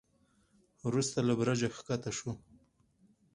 وروسته له برجه کښته شو.